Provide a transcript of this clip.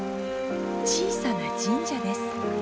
小さな神社です。